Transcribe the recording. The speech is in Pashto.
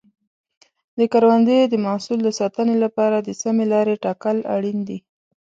د کروندې د محصول د ساتنې لپاره د سمې لارې ټاکل اړین دي.